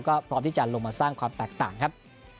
ก็พร้อมที่จะลงมาสร้างความแตกต่างครับ